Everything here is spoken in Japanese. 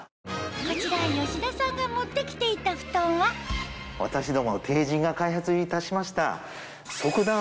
こちら吉田さんが持って来ていた布団は私ども帝人が開発いたしました。